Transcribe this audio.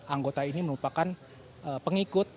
anggota ini merupakan pengikut